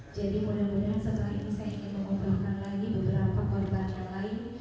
jadi mudah mudahan setelah ini saya ingin mengobrolkan lagi beberapa korban yang lain